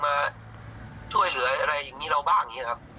มาช่วยเหลืออะไรอย่างนี้เราบ้างอย่างนี้ครับ